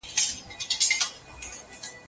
دا هغه لار ده چي موږ ته عزت راکوي.